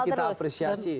dan kita apresiasi